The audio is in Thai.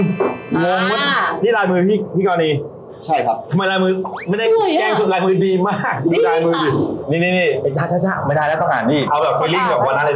สวัสดีใช่ไหม